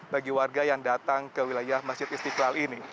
bagi warga yang datang ke wilayah masjid istiqlal ini